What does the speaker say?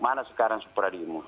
mana sekarang supraditmu